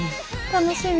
楽しみ。